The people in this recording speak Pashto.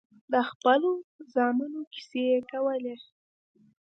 د خپلو زامنو کيسې يې کولې.